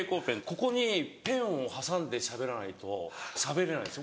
ここにペンを挟んでしゃべらないとしゃべれないんです。